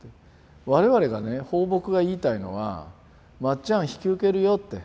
我々がね抱樸が言いたいのは「まっちゃん引き受けるよ」って。